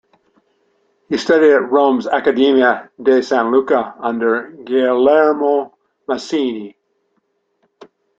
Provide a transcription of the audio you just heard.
He studied at Rome's Accademia di San Luca under Girolamo Masini.